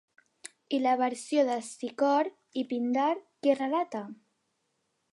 I la versió d'Estesícor i Píndar què relata?